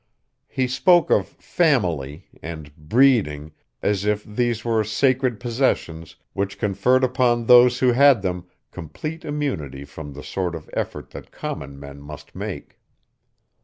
He spoke of "family" and "breeding" as if these were sacred possessions which conferred upon those who had them complete immunity from the sort of effort that common men must make.